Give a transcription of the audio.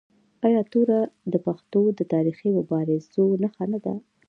آیا توره د پښتنو د تاریخي مبارزو نښه نه ده؟